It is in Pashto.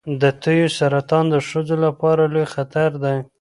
د تیو سرطان د ښځو لپاره لوی خطر دی.